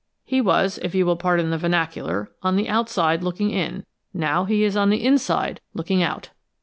He was, if you will pardon the vernacular, on the outside, looking in. Now he's on the inside, looking out!"